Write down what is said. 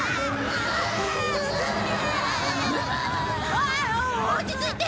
ああ落ち着いて！